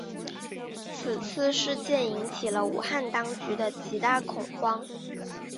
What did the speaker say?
此次事件引起了武汉当局的极大恐慌。